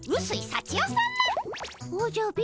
おじゃ貧